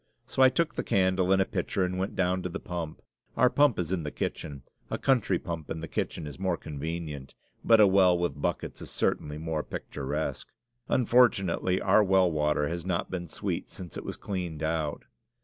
So I took the candle and a pitcher and went down to the pump. Our pump is in the kitchen. A country pump in the kitchen is more convenient; but a well with buckets is certainly more picturesque. Unfortunately, our well water has not been sweet since it was cleaned out.